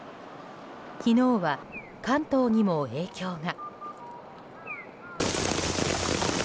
昨日は関東にも影響が。